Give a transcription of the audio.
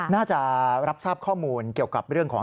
น่าจะรับทราบข้อมูลเกี่ยวกับเรื่องของ